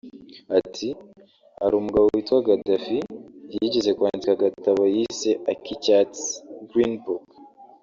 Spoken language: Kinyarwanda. Ati “Hari umugabo witwa Gaddaffi yigeze kwandika agatabo yise ak’icyatsi (Green Book)